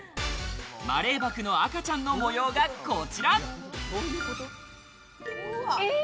マレーバクの赤ちゃんの模様がこちら。